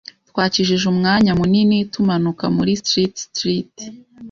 Twakijije umwanya munini tumanuka muri Street Street .